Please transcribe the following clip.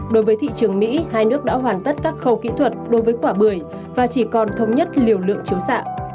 đối với thị trường mỹ hai nước đã hoàn tất các khâu kỹ thuật đối với quả bưởi và chỉ còn thống nhất liều lượng chiếu xạ